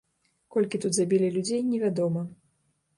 Колькі тут забілі людзей, невядома.